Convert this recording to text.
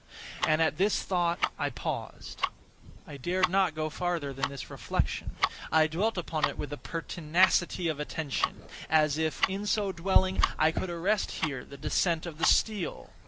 And at this thought I paused. I dared not go farther than this reflection. I dwelt upon it with a pertinacity of attention—as if, in so dwelling, I could arrest here the descent of the steel.